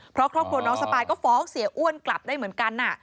เพราะครอบครัวน้องสปายก็ฟ้องเสียอ้วนกลับได้เหมือนกัน